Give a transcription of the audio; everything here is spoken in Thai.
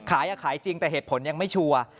ขายขายจริงแต่เหตุผลยังไม่ชัวร์